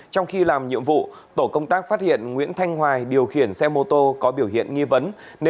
trong ngày tuyên quang bổ sung gần một mươi ba f